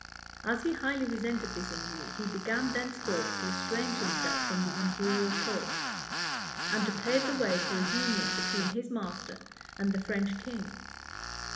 As he highly resented this injury, he began thenceforth to estrange himself from the imperial court, and to pave the way for a union between his master and the French king.